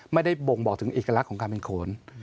ไม่ได้บ่งบอกถึงเอกลักษณ์ของการเป็นโขน